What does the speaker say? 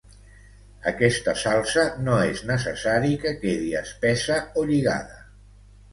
Aquesta salsa no és necessari que quedi espessa o lligada